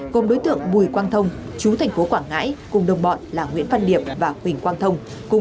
cùng đối tượng bùi quang thông chú thành phố quảng ngãi cùng đồng bọn